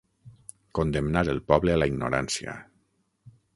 Condemnar el poble a la ignorància.